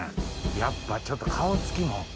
やっぱちょっと顔付きも。